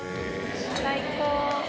最高！